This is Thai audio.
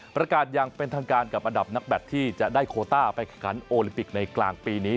ประกาศอย่างเป็นทางการกับอันดับนักแบตที่จะได้โคต้าไปแข่งขันโอลิมปิกในกลางปีนี้